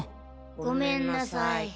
ごめんなさい。